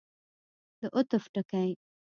د عطف ټکی.